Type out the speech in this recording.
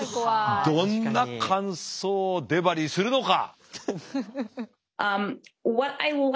どんな感想をデバリーするのか。